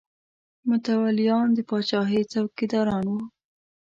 متولیان د پاچاهۍ څوکیداران وو.